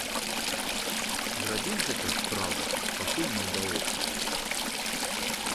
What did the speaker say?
Зрабіць гэта, праўда, пакуль не ўдалося.